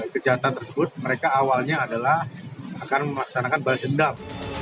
kejahatan tersebut mereka awalnya adalah akan melaksanakan balas dendam